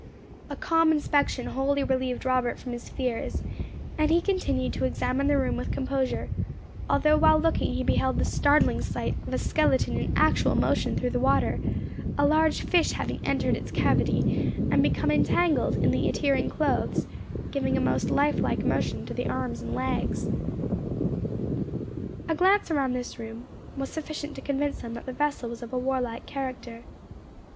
A calm inspection wholly relieved Robert from his fears, and he continued to examine the room with composure, although while looking he beheld the startling sight of a skeleton in actual motion through the water, a large fish having entered its cavity, and become entangled in the adhering clothes, giving a most lifelike motion to the arms and legs. A glance around this room was sufficient to convince them that the vessel was of a warlike character.